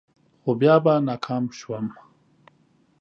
خو بیا به ناکام شوم.